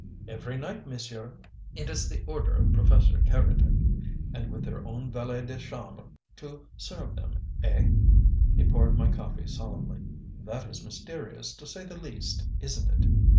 "Every night, monsieur. It is the order of Professor Keredec. And with their own valet de chambre to serve them. Eh?" He poured my coffee solemnly. "That is mysterious, to say the least, isn't it?"